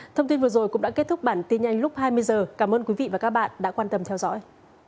thông tin vừa rồi cũng đã kết thúc bản tin nhanh lúc hai mươi h cảm ơn quý vị và các bạn đã quan tâm theo dõi